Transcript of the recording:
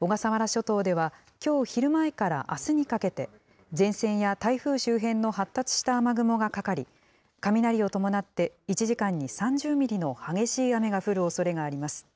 小笠原諸島では、きょう昼前からあすにかけて、前線や台風周辺の発達した雨雲がかかり、雷を伴って１時間に３０ミリの激しい雨が降るおそれがあります。